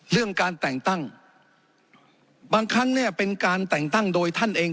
เรื่องการแต่งตั้งบางครั้งเนี่ยเป็นการแต่งตั้งโดยท่านเอง